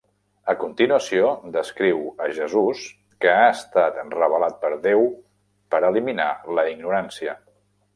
A continuació, descriu a Jesús que ha estat revelat per Déu per eliminar la ignorància.